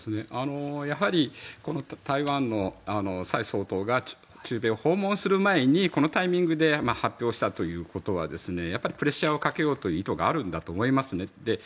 やはり台湾の蔡総統が中米を訪問する前にこのタイミングで発表したということはプレッシャーをかけようという意図があるんだと思いますね。